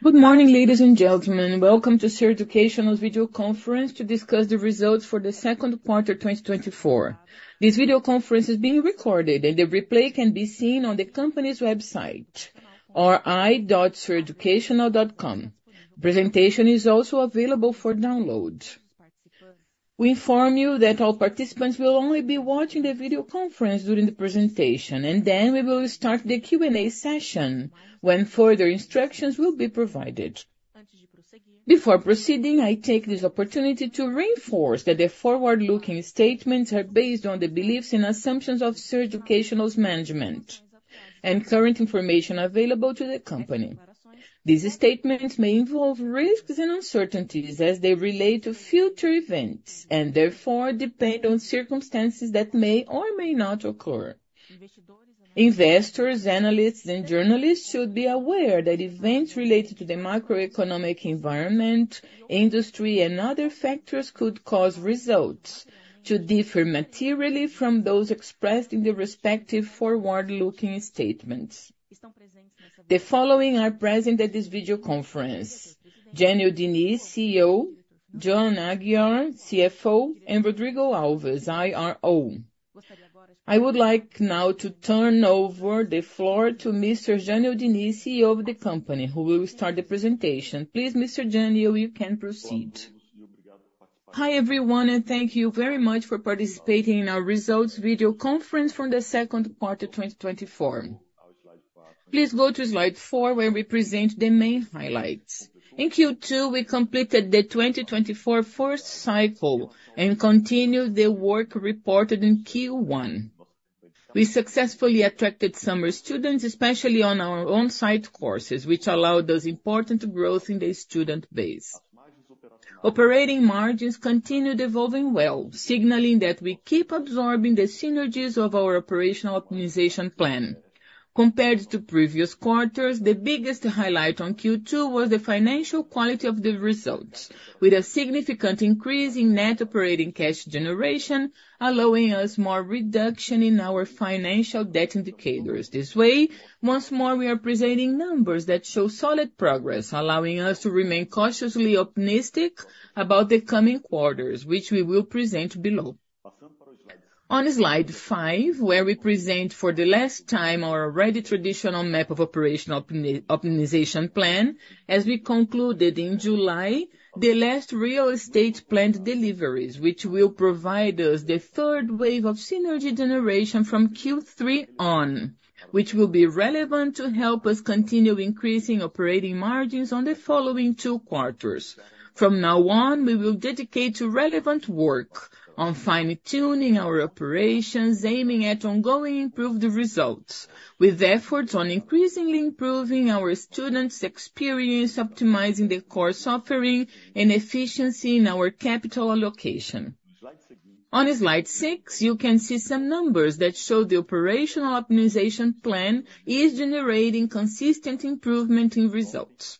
Good morning, ladies and gentlemen. Welcome to Ser Educacional's video conference to discuss the results for the second quarter of 2024. This video conference is being recorded, and the replay can be seen on the company's website, or ri.sereducacional.com. Presentation is also available for download. We inform you that all participants will only be watching the video conference during the presentation, and then we will start the Q&A session, when further instructions will be provided. Before proceeding, I take this opportunity to reinforce that the forward-looking statements are based on the beliefs and assumptions of Ser Educacional's management and current information available to the company. These statements may involve risks and uncertainties as they relate to future events, and therefore depend on circumstances that may or may not occur. Investors, analysts, and journalists should be aware that events related to the macroeconomic environment, industry, and other factors could cause results to differ materially from those expressed in the respective forward-looking statements. The following are present at this video conference: Jânyo Diniz, CEO; João Aguiar, CFO; and Rodrigo Alves, IRO. I would like now to turn over the floor to Mr. Jânyo Diniz, CEO of the company, who will start the presentation. Please, Mr. Jânyo, you can proceed. Hi, everyone, and thank you very much for participating in our results video conference from the second quarter 2024. Please go to slide 4, where we present the main highlights. In Q2, we completed the 2024 first cycle and continued the work reported in Q1. We successfully attracted summer students, especially on our on-site courses, which allowed us important growth in the student base. Operating margins continued evolving well, signaling that we keep absorbing the synergies of our operational optimization plan. Compared to previous quarters, the biggest highlight on Q2 was the financial quality of the results, with a significant increase in net operating cash generation, allowing us more reduction in our financial debt indicators. This way, once more, we are presenting numbers that show solid progress, allowing us to remain cautiously optimistic about the coming quarters, which we will present below. On Slide 5, where we present for the last time our already traditional map of operational optimization plan, as we concluded in July, the last real estate planned deliveries, which will provide us the third wave of synergy generation from Q3 on, which will be relevant to help us continue increasing operating margins on the following 2 quarters. From now on, we will dedicate to relevant work on fine-tuning our operations, aiming at ongoing improved results, with efforts on increasingly improving our students' experience, optimizing the course offering and efficiency in our capital allocation. On Slide 6, you can see some numbers that show the operational optimization plan is generating consistent improvement in results.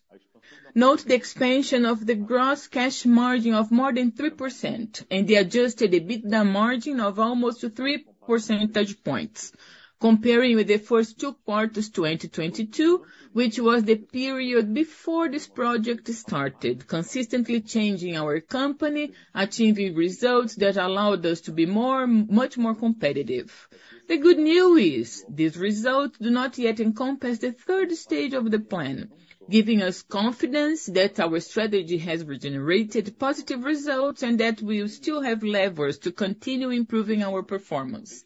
Note the expansion of the gross cash margin of more than 3% and the Adjusted EBITDA margin of almost 3 percentage points, comparing with the first two quarters 2022, which was the period before this project started, consistently changing our company, achieving results that allowed us to be more, much more competitive. The good news is, these results do not yet encompass the third stage of the plan, giving us confidence that our strategy has regenerated positive results and that we still have levers to continue improving our performance.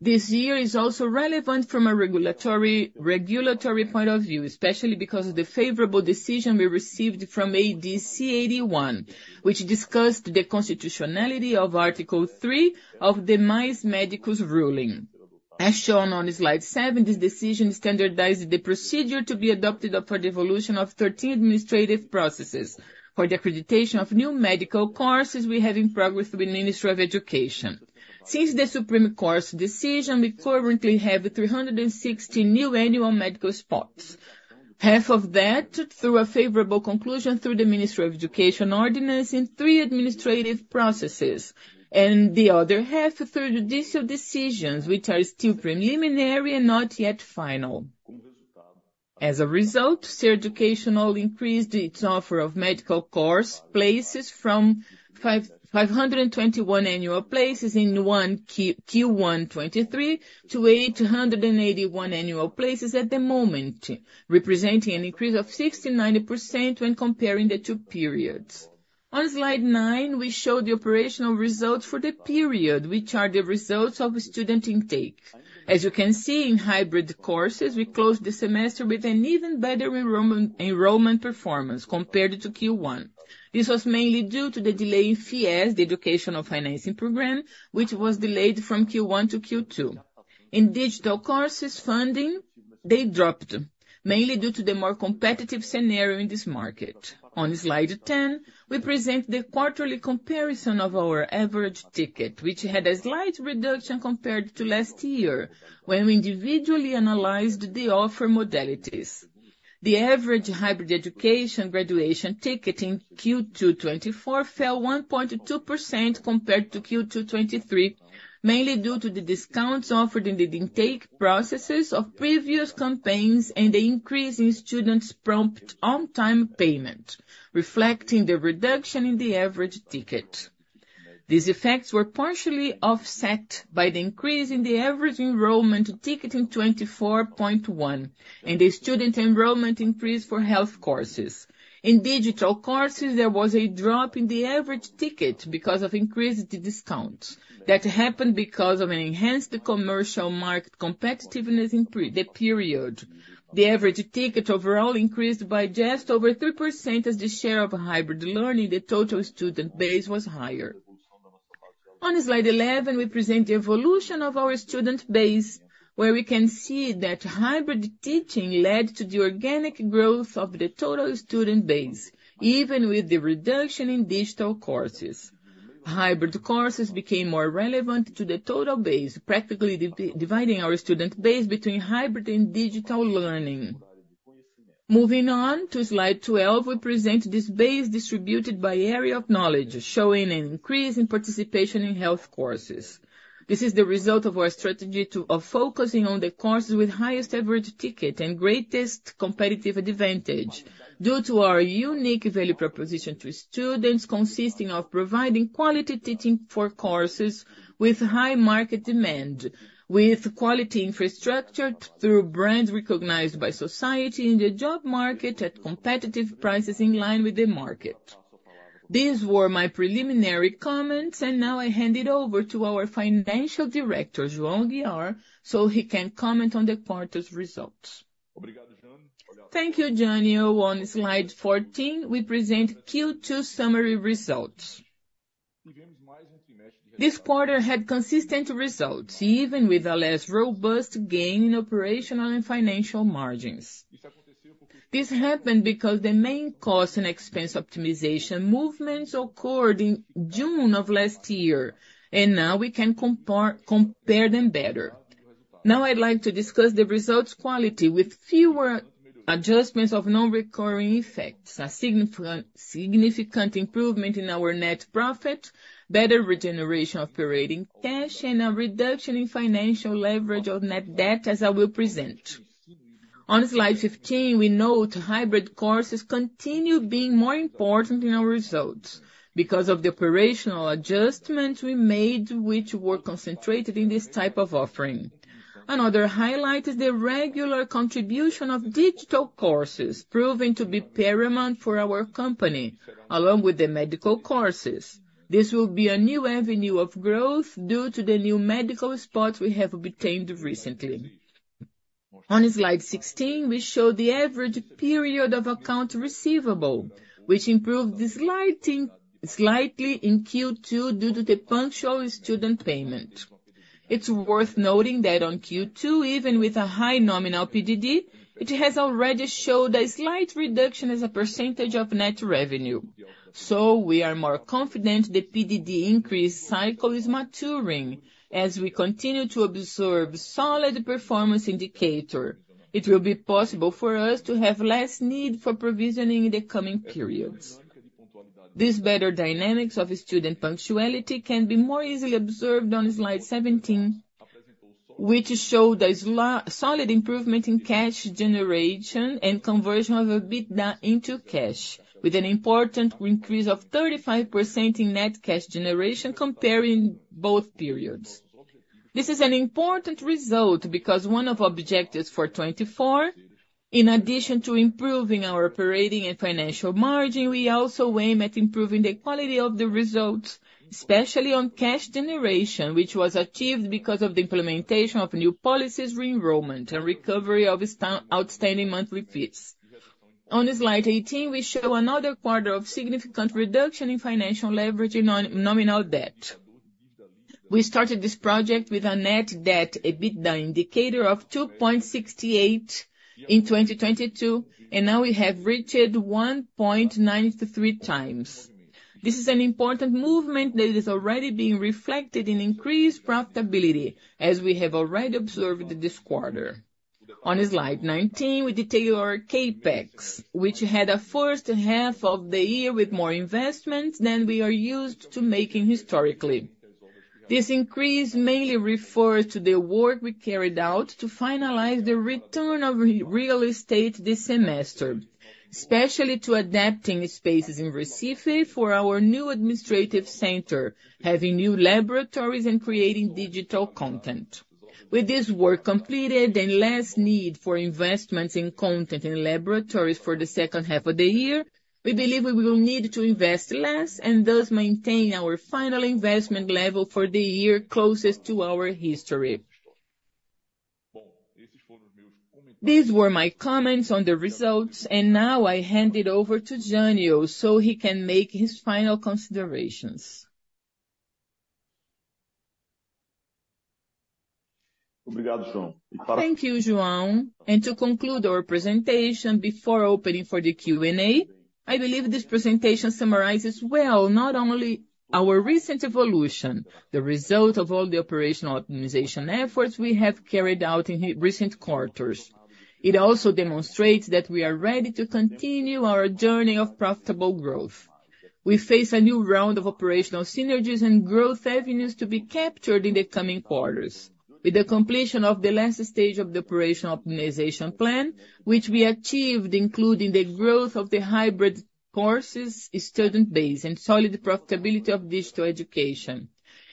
This year is also relevant from a regulatory, regulatory point of view, especially because of the favorable decision we received from ADC 81, which discussed the constitutionality of Article 3 of the Mais Médicos ruling. As shown on Slide 7, this decision standardized the procedure to be adopted for the evolution of 13 administrative processes. For the accreditation of new medical courses, we have in progress with the Ministry of Education. Since the Supreme Court's decision, we currently have 360 new annual medical spots, half of that through a favorable conclusion through the Ministry of Education ordinance in 3 administrative processes, and the other half through judicial decisions, which are still preliminary and not yet final. As a result, Ser Educacional increased its offer of medical course places from 521 annual places in Q1 2023 to 881 annual places at the moment, representing an increase of 69% when comparing the two periods. On Slide 9, we show the operational results for the period, which are the results of student intake. As you can see, in hybrid courses, we closed the semester with an even better enrollment performance compared to Q1. This was mainly due to the delay in FIES, the educational financing program, which was delayed from Q1 to Q2. In digital courses funding, they dropped, mainly due to the more competitive scenario in this market. On Slide 10, we present the quarterly comparison of our average ticket, which had a slight reduction compared to last year, when we individually analyzed the offer modalities. The average hybrid education graduation ticket in Q2 2024 fell 1.2% compared to Q2 2023, mainly due to the discounts offered in the intake processes of previous campaigns and the increase in students' prompt on-time payment, reflecting the reduction in the average ticket. These effects were partially offset by the increase in the average enrollment ticket in 2024 Q1, and the student enrollment increased for health courses. In digital courses, there was a drop in the average ticket because of increased discounts. That happened because of an enhanced commercial market competitiveness in the period. The average ticket overall increased by just over 3% as the share of hybrid learning, the total student base was higher. On Slide 11, we present the evolution of our student base, where we can see that hybrid teaching led to the organic growth of the total student base, even with the reduction in digital courses. Hybrid courses became more relevant to the total base, practically dividing our student base between hybrid and digital learning. Moving on to Slide 12, we present this base distributed by area of knowledge, showing an increase in participation in health courses. This is the result of our strategy of focusing on the courses with highest average ticket and greatest competitive advantage, due to our unique value proposition to students, consisting of providing quality teaching for courses with high market demand, with quality infrastructure through brands recognized by society in the job market at competitive prices in line with the market. These were my preliminary comments, and now I hand it over to our financial director, João Aguiar, so he can comment on the quarter's results. Thank you, Jânyo. On Slide 14, we present Q2 summary results. This quarter had consistent results, even with a less robust gain in operational and financial margins. This happened because the main cost and expense optimization movements occurred in June of last year, and now we can compare them better. Now, I'd like to discuss the results quality with fewer adjustments of non-recurring effects, a significant improvement in our net profit, better regeneration of operating cash, and a reduction in financial leverage of net debt, as I will present. On Slide 15, we note hybrid courses continue being more important in our results because of the operational adjustments we made, which were concentrated in this type of offering. Another highlight is the regular contribution of digital courses, proving to be paramount for our company, along with the medical courses. This will be a new avenue of growth due to the new medical spot we have obtained recently. On Slide 16, we show the average period of accounts receivable, which improved slightly, slightly in Q2 due to the punctual student payment. It's worth noting that on Q2, even with a high nominal PDD, it has already showed a slight reduction as a percentage of net revenue. So we are more confident the PDD increase cycle is maturing. As we continue to observe solid performance indicator, it will be possible for us to have less need for provisioning in the coming periods. This better dynamics of student punctuality can be more easily observed on Slide 17, which show the solid improvement in cash generation and conversion of EBITDA into cash, with an important increase of 35% in net cash generation comparing both periods. This is an important result because one of objectives for 2024, in addition to improving our operating and financial margin, we also aim at improving the quality of the results, especially on cash generation, which was achieved because of the implementation of new policies, re-enrollment, and recovery of outstanding monthly fees. On Slide 18, we show another quarter of significant reduction in financial leverage in nominal debt. We started this project with a Net Debt/EBITDA indicator of 2.68 in 2022, and now we have reached 1.93 times. This is an important movement that is already being reflected in increased profitability, as we have already observed this quarter. On slide 19, we detail our CapEx, which had a first half of the year with more investments than we are used to making historically. This increase mainly refers to the work we carried out to finalize the return of real estate this semester, especially to adapting spaces in Recife for our new administrative center, having new laboratories and creating digital content. With this work completed and less need for investments in content and laboratories for the second half of the year, we believe we will need to invest less and thus maintain our final investment level for the year closest to our history. These were my comments on the results, and now I hand it over to Jânyo, so he can make his final considerations. Thank you, João. To conclude our presentation before opening for the Q&A, I believe this presentation summarizes well not only our recent evolution, the result of all the operational optimization efforts we have carried out in recent quarters. It also demonstrates that we are ready to continue our journey of profitable growth. We face a new round of operational synergies and growth avenues to be captured in the coming quarters.... With the completion of the last stage of the operational optimization plan, which we achieved, including the growth of the hybrid courses, student base, and solid profitability of digital education.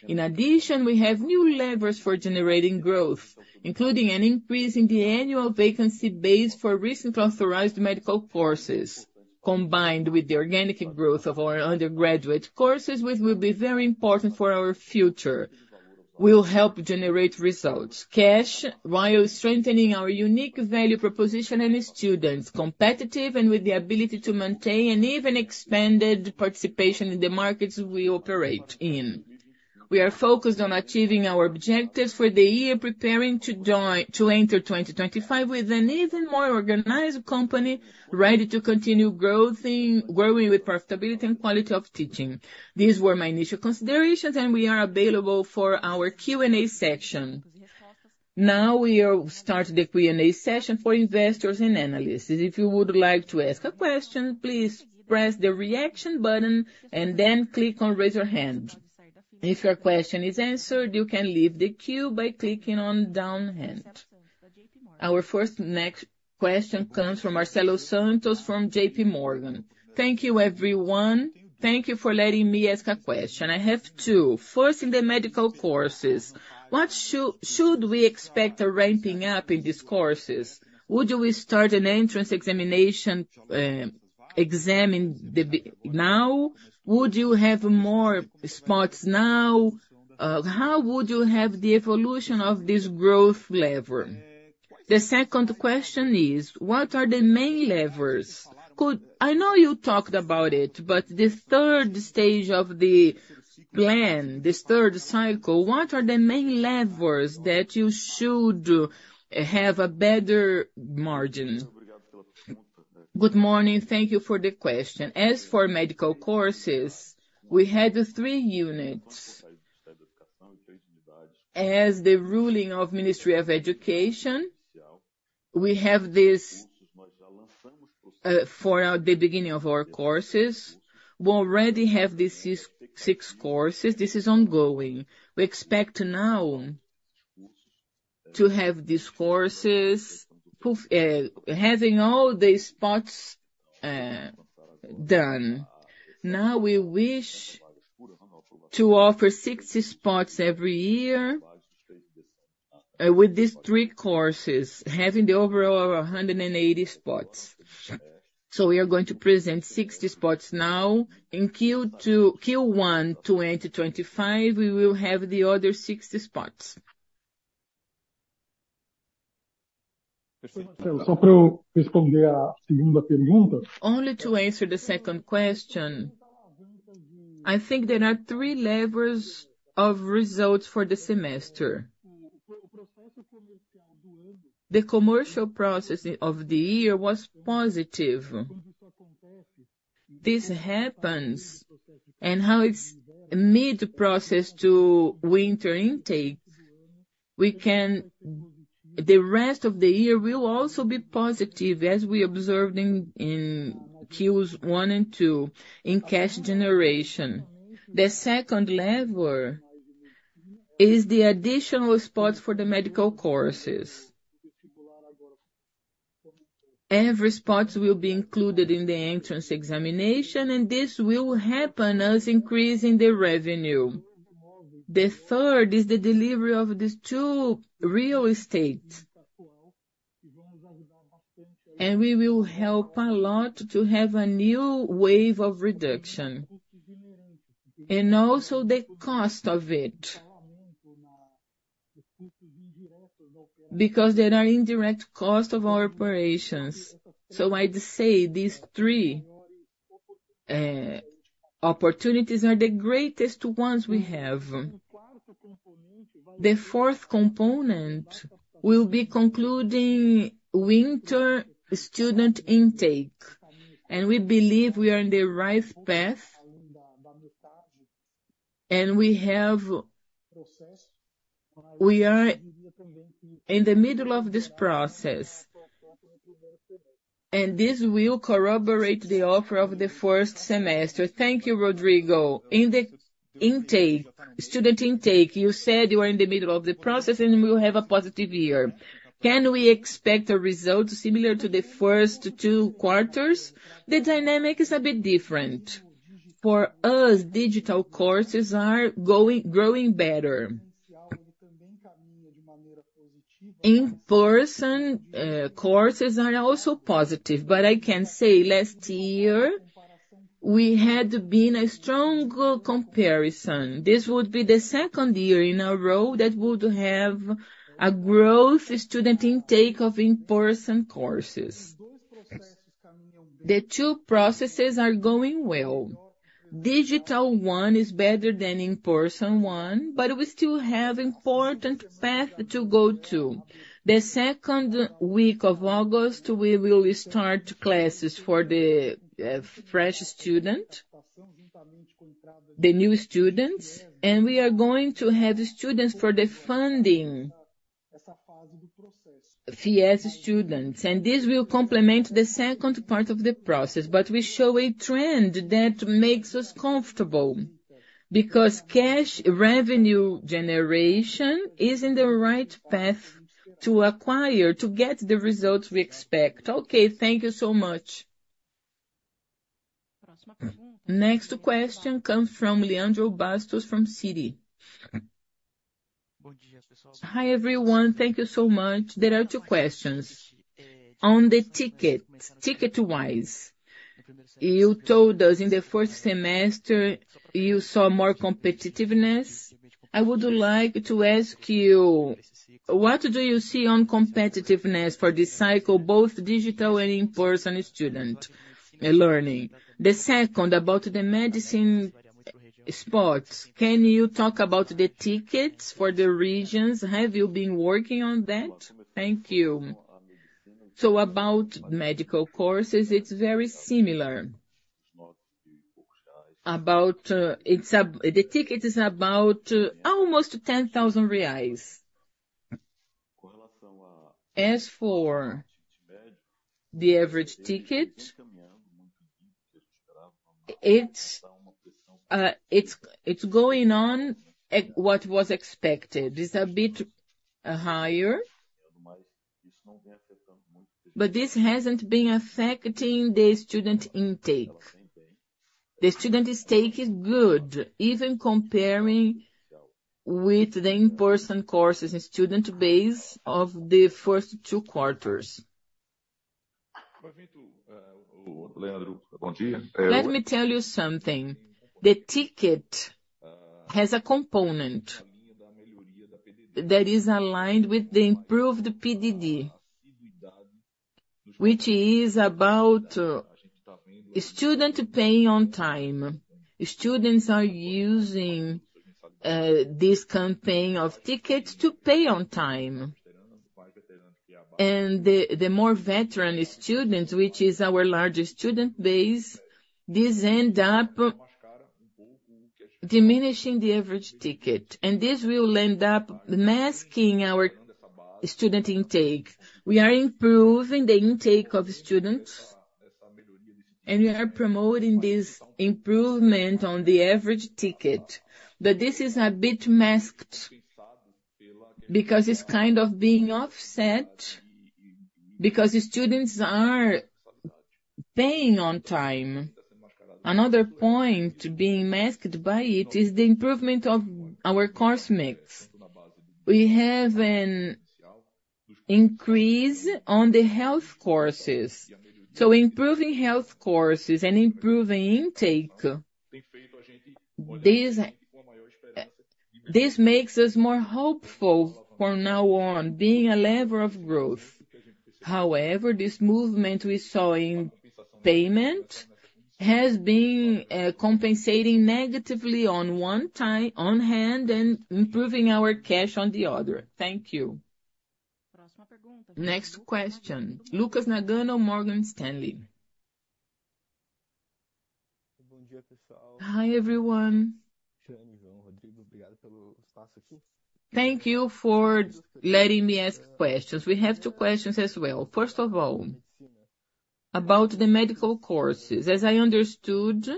In addition, we have new levers for generating growth, including an increase in the annual vacancy base for recently authorized medical courses, combined with the organic growth of our undergraduate courses, which will be very important for our future, will help generate results, cash, while strengthening our unique value proposition and students, competitive and with the ability to maintain an even expanded participation in the markets we operate in. We are focused on achieving our objectives for the year, preparing to join-- to enter 2025 with an even more organized company, ready to continue growing, growing with profitability and quality of teaching. These were my initial considerations, and we are available for our Q&A section. Now we are start the Q&A session for investors and analysts. If you would like to ask a question, please press the reaction button and then click on Raise Your Hand. If your question is answered, you can leave the queue by clicking on Down Hand. Our first next question comes from Marcelo Santos, from JPMorgan. Thank you, everyone. Thank you for letting me ask a question. I have two. First, in the medical courses, what should we expect a ramping up in these courses? Would we start an entrance examination now? Would you have more spots now? How would you have the evolution of this growth level? The second question is, what are the main levers? Could I know you talked about it, but the third stage of the plan, this third cycle, what are the main levers that you should have a better margin? Good morning, thank you for the question. As for medical courses, we had three units. As the ruling of Ministry of Education, we have this, for the beginning of our courses. We already have these 6, 6 courses. This is ongoing. We expect now to have these courses approved, having all the spots, done. Now, we wish to offer 60 spots every year, with these three courses, having the overall of 180 spots. So we are going to present 60 spots now. In Q1, 2025, we will have the other 60 spots. Only to answer the second question, I think there are three levels of results for the semester. The commercial process of the year was positive. This happens, and now it's mid-process to winter intake, the rest of the year will also be positive, as we observed in Qs 1 and 2, in cash generation. The second lever is the additional spots for the medical courses. Every spots will be included in the entrance examination, and this will happen as increasing the revenue. The third is the delivery of these two real estates. And we will help a lot to have a new wave of reduction, and also the cost of it, because there are indirect costs of our operations. So I'd say these three, opportunities are the greatest ones we have. The fourth component will be concluding winter student intake, and we believe we are in the right path, and we are in the middle of this process, and this will corroborate the offer of the first semester. Thank you, Rodrigo. In the intake, student intake, you said you are in the middle of the process, and we will have a positive year. Can we expect a result similar to the first two quarters? The dynamic is a bit different. For us, digital courses are going, growing better. In-person courses are also positive, but I can say last year, we had been a stronger comparison. This would be the second year in a row that would have a growth student intake of in-person courses. The two processes are going well. Digital one is better than in-person one, but we still have important path to go to. The second week of August, we will start classes for the fresh student, the new students, and we are going to have students for the funding... FIES students, and this will complement the second part of the process. But we show a trend that makes us comfortable, because cash revenue generation is in the right path to acquire, to get the results we expect. Okay, thank you so much. Next question comes from Leandro Bastos, from Citi. Hi, everyone. Thank you so much. There are two questions. On the ticket, ticket-wise, you told us in the first semester, you saw more competitiveness. I would like to ask you, what do you see on competitiveness for this cycle, both digital and in-person student learning? The second, about the medicine spots, can you talk about the tickets for the regions? Have you been working on that? Thank you. So about medical courses, it's very similar. About the ticket is about almost 10,000 reais. As for the average ticket, it's going on at what was expected. It's a bit higher, but this hasn't been affecting the student intake. The student intake is good, even comparing with the in-person courses and student base of the first two quarters. Let me tell you something, the ticket has a component that is aligned with the improved PDD, which is about student paying on time. Students are using this campaign of tickets to pay on time. And the more veteran students, which is our largest student base, this end up diminishing the average ticket, and this will end up masking our student intake. We are improving the intake of students, and we are promoting this improvement on the average ticket. But this is a bit masked because it's kind of being offset, because the students are paying on time. Another point being masked by it is the improvement of our course mix. We have an increase on the health courses. So improving health courses and improving intake, this, this makes us more hopeful from now on, being a lever of growth. However, this movement we saw in payment has been compensating negatively on one time- on hand and improving our cash on the other. Thank you. Next question, Lucas Nagano, Morgan Stanley. Hi, everyone. Thank you for letting me ask questions. We have two questions as well. First of all, about the medical courses, as I understood,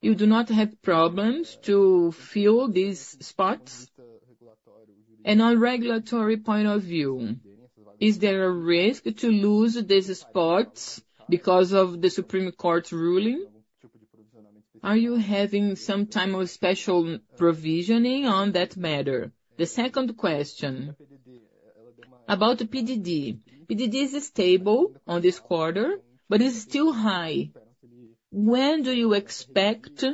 you do not have problems to fill these spots? And on regulatory point of view, is there a risk to lose these spots because of the Supreme Court ruling? Are you having some type of special provisioning on that matter? The second question, about the PDD. PDD is stable on this quarter, but it's still high. When do you expect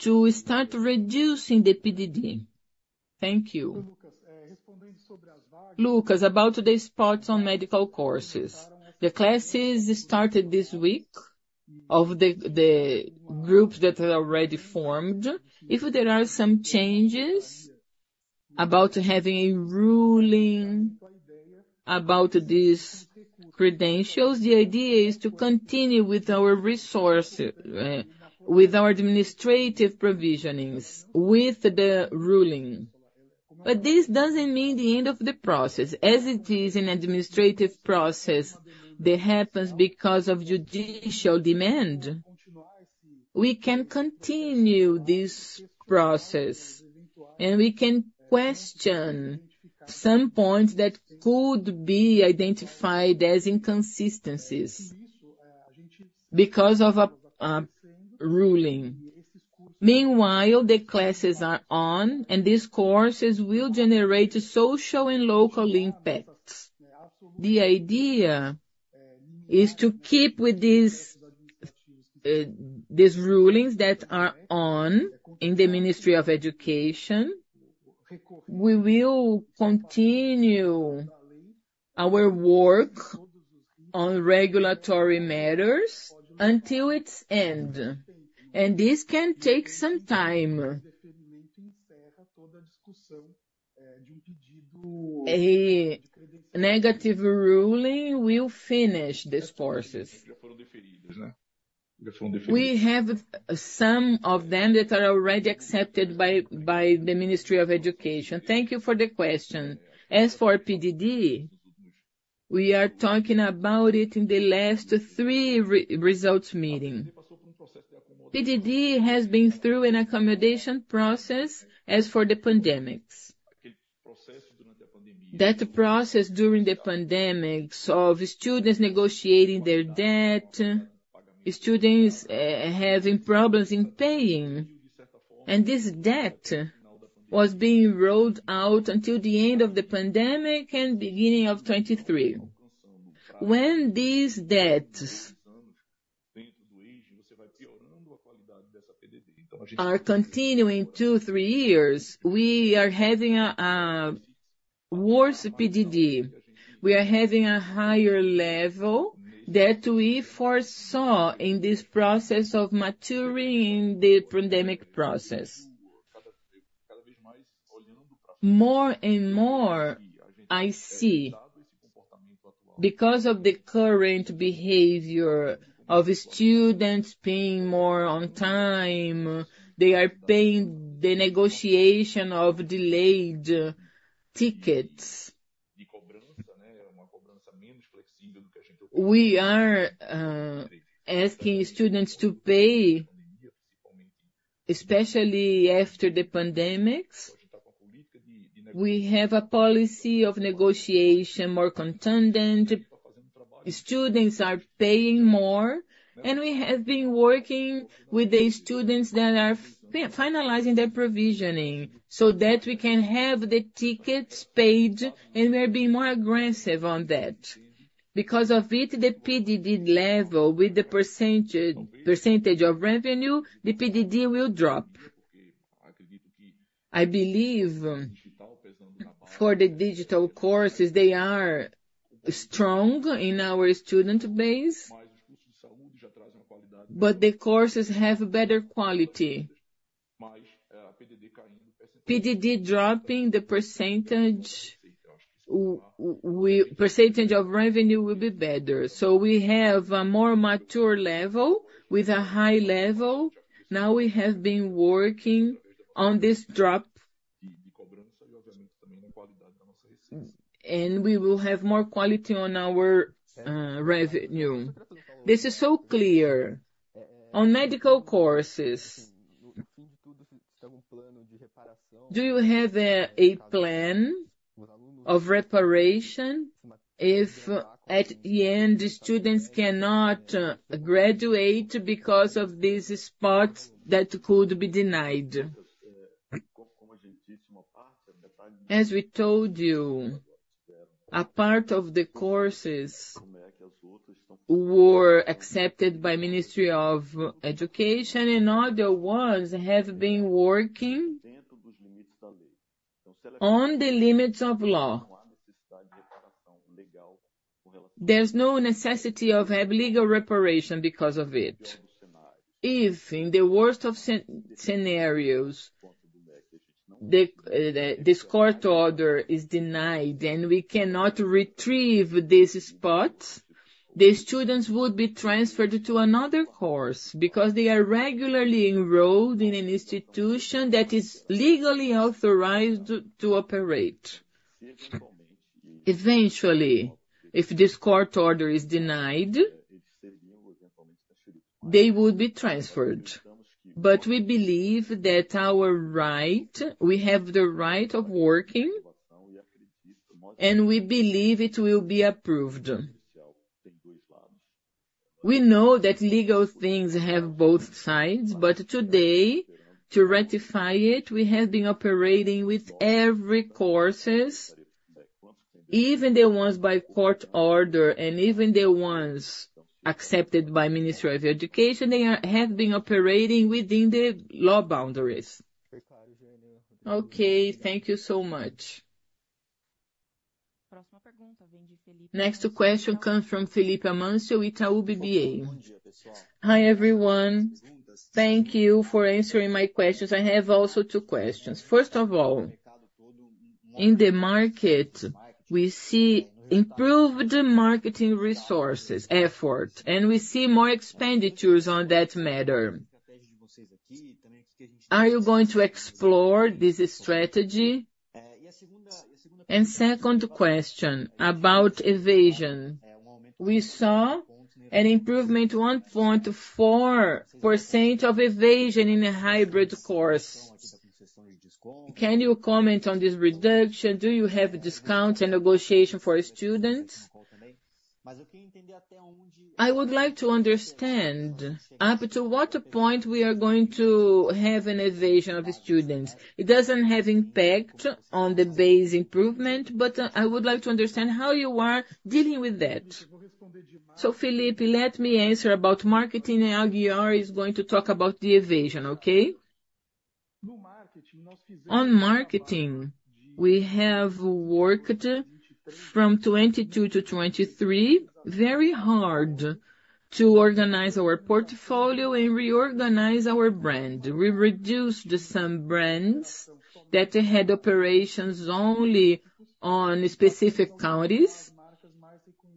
to start reducing the PDD? Thank you. Lucas, about the spots on medical courses. The classes started this week of the groups that are already formed. If there are some changes about having a ruling about these credentials, the idea is to continue with our resource, with our administrative provisionings, with the ruling. But this doesn't mean the end of the process. As it is an administrative process that happens because of judicial demand, we can continue this process, and we can question some points that could be identified as inconsistencies because of a ruling. Meanwhile, the classes are on, and these courses will generate social and local impacts. The idea is to keep with these, these rulings that are on in the Ministry of Education. We will continue our work on regulatory matters until its end, and this can take some time. A negative ruling will finish these courses.... We have some of them that are already accepted by the Ministry of Education. Thank you for the question. As for PDD, we are talking about it in the last three results meeting. PDD has been through an accommodation process as for the pandemics. That process during the pandemics of students negotiating their debt, students having problems in paying, and this debt was being rolled out until the end of the pandemic and beginning of 2023. When these debts are continuing two, three years, we are having a worse PDD. We are having a higher level that we foresaw in this process of maturing the pandemic process. More and more, I see, because of the current behavior of students paying more on time, they are paying the negotiation of delayed tickets. We are asking students to pay, especially after the pandemics. We have a policy of negotiation, more contended. Students are paying more, and we have been working with the students that are finalizing their provisioning, so that we can have the tickets paid, and we're being more aggressive on that. Because of it, the PDD level, with the percentage of revenue, the PDD will drop. I believe for the digital courses, they are strong in our student base, but the courses have better quality. PDD dropping the percentage of revenue will be better. So we have a more mature level with a high level. Now, we have been working on this drop, and we will have more quality on our revenue. This is so clear. On medical courses, do you have a plan of reparation if at the end, the students cannot graduate because of these spots that could be denied? As we told you, a part of the courses were accepted by Ministry of Education, and other ones have been working on the limits of law. There's no necessity of have legal reparation because of it. If in the worst of scenarios, this court order is denied, and we cannot retrieve this spot, the students would be transferred to another course because they are regularly enrolled in an institution that is legally authorized to operate. Eventually, if this court order is denied, they would be transferred. But we believe that our right, we have the right of working, and we believe it will be approved. We know that legal things have both sides, but today, to rectify it, we have been operating with every courses, even the ones by court order and even the ones accepted by Ministry of Education. They have been operating within the law boundaries. Okay, thank you so much. Next question comes from Felipe Amancio, Itaú BBA. Hi, everyone. Thank you for answering my questions. I have also two questions. First of all, in the market, we see improved marketing resources, effort, and we see more expenditures on that matter. Are you going to explore this strategy? And second question, about evasion. We saw an improvement, 1.4% of evasion in the hybrid course. Can you comment on this reduction? Do you have a discount and negotiation for students? I would like to understand, up to what point we are going to have an evasion of students. It doesn't have impact on the base improvement, but I would like to understand how you are dealing with that. So, Felipe, let me answer about marketing, and Aguiar is going to talk about the evasion, okay? On marketing, we have worked from 2022 to 2023, very hard to organize our portfolio and we organize our brand. We reduce some brands that had operations only on specific counties,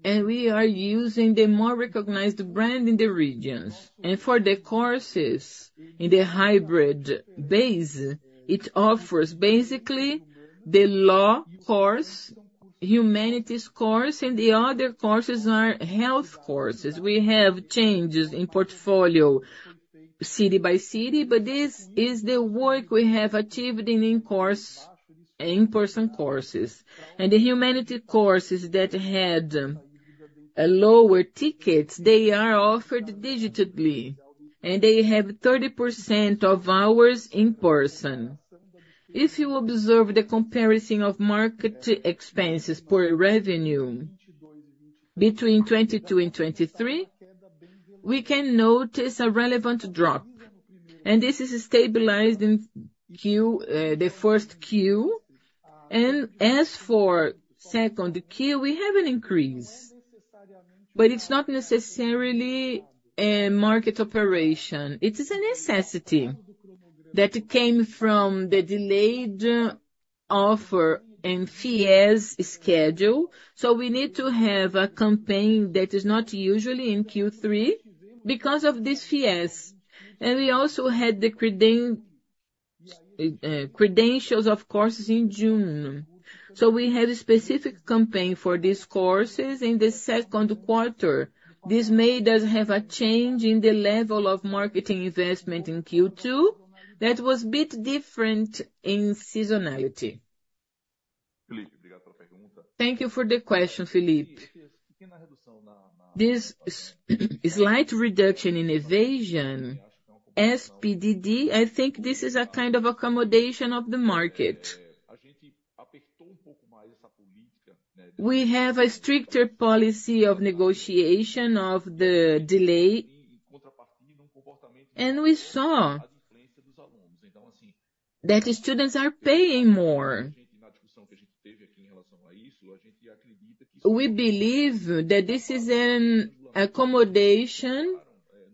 and we are using the more recognized brand in the regions. And for the courses in the hybrid base, it offers basically the law course, humanities course, and the other courses are health courses. We have changes in portfolio, city by city, but this is the work we have achieved in in-course, in-person courses. And the humanities courses that had a lower ticket, they are offered digitally, and they have 30% of hours in person. If you observe the comparison of marketing expenses per revenue between 22 and 23, we can notice a relevant drop, and this is stabilized in Q1, the first quarter. As for the second quarter, we have an increase, but it's not necessarily a marketing operation. It is a necessity that came from the delayed offer and FIES schedule. So we need to have a campaign that is not usually in Q3 because of this FIES. And we also had the credentials of courses in June. So we had a specific campaign for these courses in the second quarter. This made us have a change in the level of marketing investment in Q2 that was a bit different in seasonality. Thank you for the question, Felipe. This slight reduction in evasion and PDD, I think this is a kind of accommodation of the market. We have a stricter policy of negotiation of the delay, and we saw that the students are paying more. We believe that this is an accommodation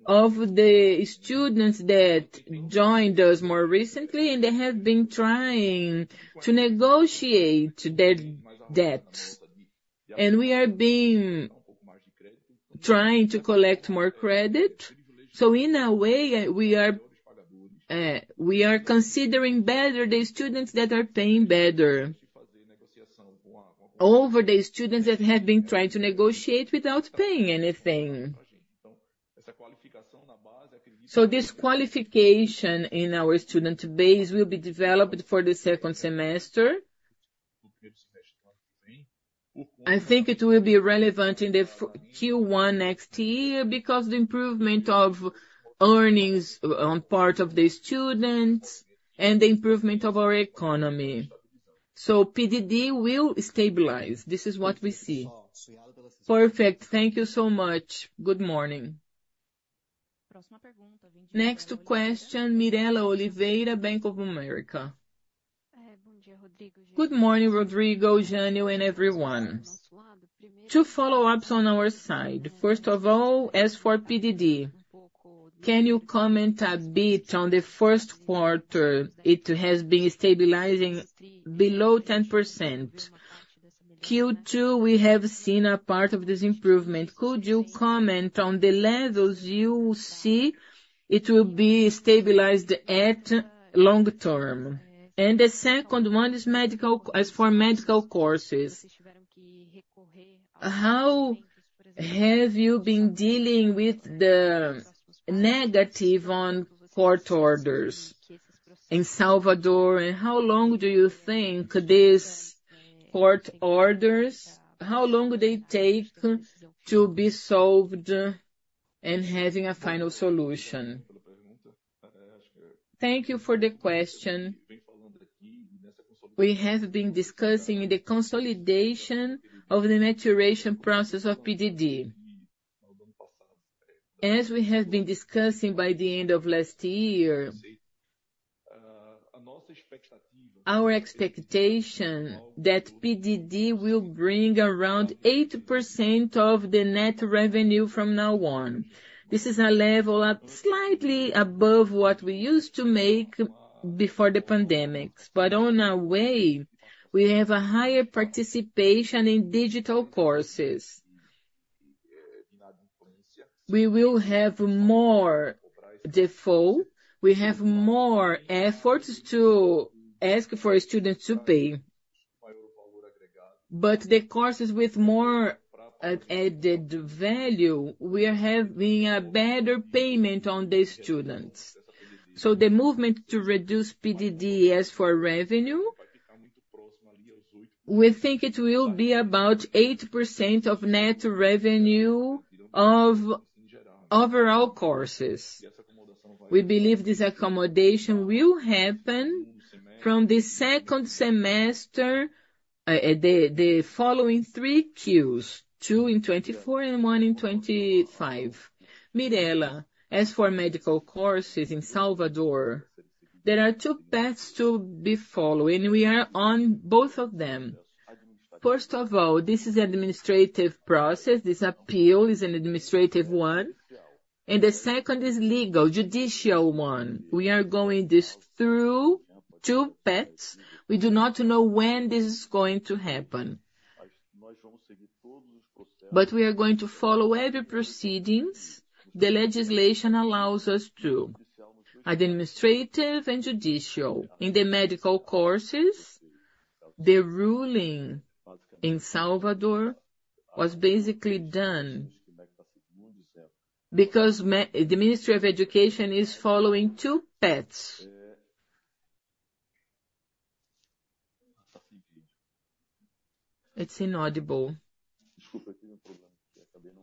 of the students that joined us more recently, and they have been trying to negotiate their debts, and we are trying to collect more credit. So in a way, we are considering better the students that are paying better over the students that have been trying to negotiate without paying anything. So this qualification in our student base will be developed for the second semester. I think it will be relevant in the Q1 next year because the improvement of earnings on part of the students and the improvement of our economy. So PDD will stabilize. This is what we see. Perfect. Thank you so much. Good morning. Next question, Mirela Oliveira, Bank of America. Good morning, Rodrigo, Jânyo, and everyone. Two follow-ups on our side. First of all, as for PDD, can you comment a bit on the first quarter? It has been stabilizing below 10%. Q2, we have seen a part of this improvement. Could you comment on the levels you see it will be stabilized at long term? And the second one is medical, as for medical courses, how have you been dealing with the negative on court orders in Salvador? And how long do you think these court orders, how long will they take to be solved and having a final solution? Thank you for the question. We have been discussing the consolidation of the maturation process of PDD. As we have been discussing by the end of last year, our expectation that PDD will bring around 8% of the net revenue from now on. This is a level at slightly above what we used to make before the pandemic, but on our way, we have a higher participation in digital courses. We will have more default. We have more efforts to ask for a student to pay, but the courses with more, added value, we are having a better payment on the students. So the movement to reduce PDD as for revenue, we think it will be about 8% of net revenue of overall courses. We believe this accommodation will happen from the second semester, the following three Qs, two in 2024 and one in 2025. Mirela, as for medical courses in Salvador, there are two paths to be followed, and we are on both of them. First of all, this is an administrative process. This appeal is an administrative one, and the second is legal, judicial one. We are going this through two paths. We do not know when this is going to happen, but we are going to follow every proceedings the legislation allows us to, administrative and judicial. In the medical courses, the ruling in Salvador was basically done because the Ministry of Education is following two paths.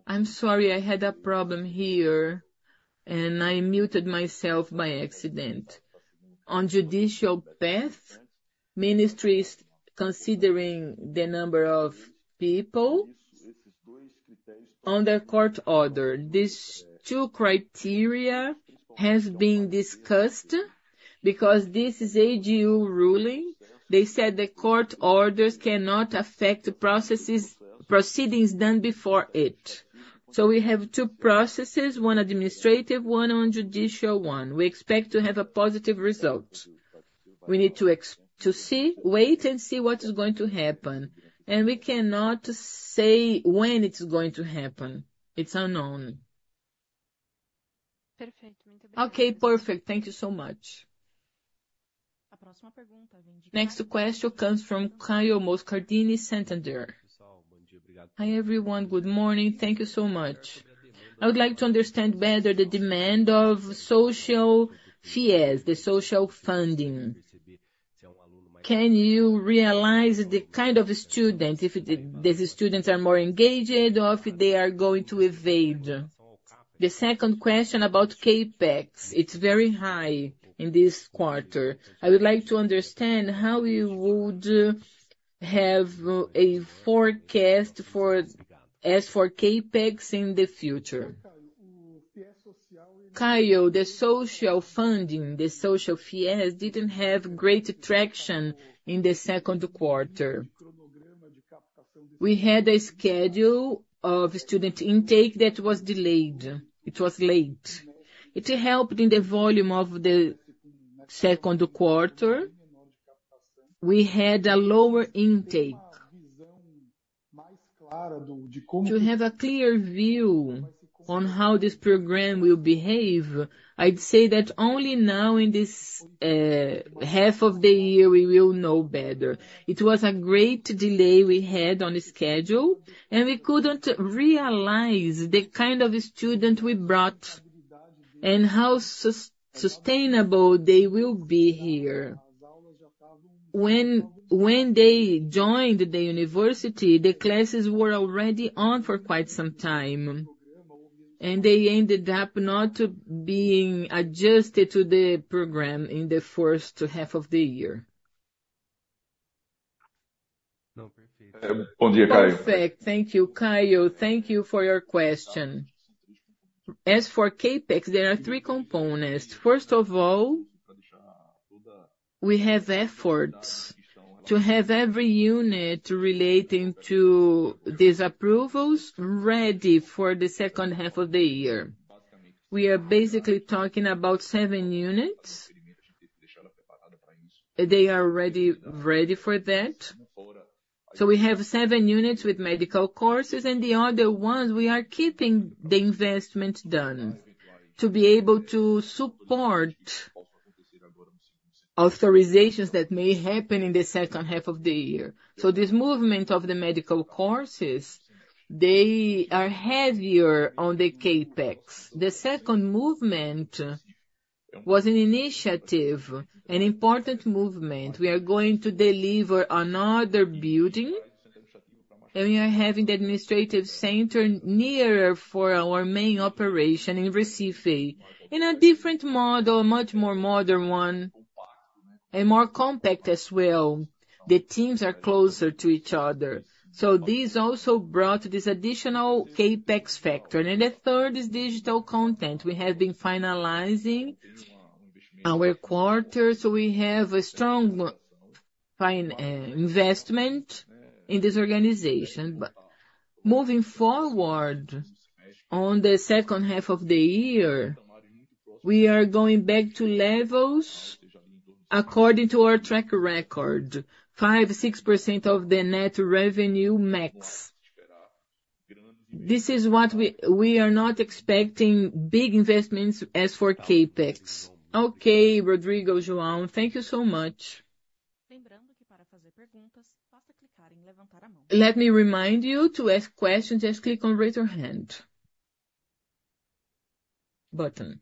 I'm sorry, I had a problem here, and I muted myself by accident. On judicial path, ministries, considering the number of people on the court order, these two criteria has been discussed because this is AGU ruling. They said the court orders cannot affect the processes, proceedings done before it. So we have two processes, one administrative, one on judicial one. We expect to have a positive result. We need to see, wait and see what is going to happen, and we cannot say when it's going to happen. It's unknown. Okay, perfect. Thank you so much. Next question comes from Caio Moscardini, Santander. Hi, everyone. Good morning. Thank you so much. I would like to understand better the demand of Social FIES, the social funding. Can you realize the kind of student, if the students are more engaged or if they are going to evade? The second question about CapEx, it's very high in this quarter. I would like to understand how you would have a forecast for as for CapEx in the future. Caio, the social funding, the Social FIES, didn't have great traction in the second quarter. We had a schedule of student intake that was delayed. It was late. It helped in the volume of the second quarter. We had a lower intake. To have a clear view on how this program will behave, I'd say that only now, in this half of the year, we will know better. It was a great delay we had on the schedule, and we couldn't realize the kind of student we brought and how sustainable they will be here. When they joined the university, the classes were already on for quite some time, and they ended up not being adjusted to the program in the first half of the year. Perfect. Thank you, Caio. Thank you for your question. As for CapEx, there are three components. First of all, we have efforts to have every unit relating to these approvals ready for the second half of the year. We are basically talking about seven units. They are already ready for that. So we have seven units with medical courses, and the other ones, we are keeping the investment done to be able to support authorizations that may happen in the second half of the year. So this movement of the medical courses, they are heavier on the CapEx. The second movement was an initiative, an important movement. We are going to deliver another building, and we are having the administrative center nearer for our main operation in Recife, in a different model, a much more modern one and more compact as well. The teams are closer to each other. So this also brought this additional CapEx factor. And the third is digital content. We have been finalizing our quarters, so we have a strong fine, investment in this organization. But moving forward, on the second half of the year, we are going back to levels according to our track record, 5%-6% of the net revenue max. This is what we are not expecting big investments as for CapEx. Okay, Rodrigo, João, thank you so much. Let me remind you, to ask questions, just click on Raise Your Hand button.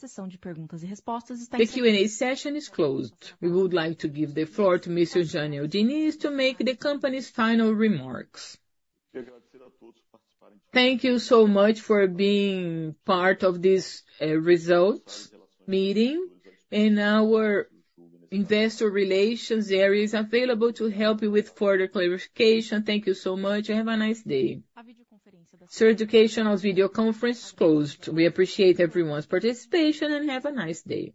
The Q&A session is closed. We would like to give the floor to Mr. Jânyo Diniz to make the company's final remarks. Thank you so much for being part of this results meeting, and our investor relations area is available to help you with further clarification. Thank you so much, and have a nice day. Ser Educacional's video conference is closed. We appreciate everyone's participation, and have a nice day.